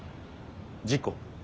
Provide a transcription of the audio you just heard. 事故。